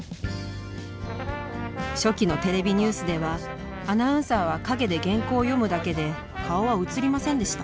初期のテレビニュースではアナウンサーは陰で原稿を読むだけで顔は映りませんでした。